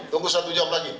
tunggu satu jam lagi